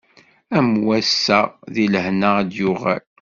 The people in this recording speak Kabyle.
Am wass-a di lehna ad d-yuɣal.